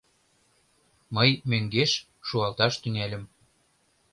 Мый мӧҥгеш шуалташ тӱҥальым.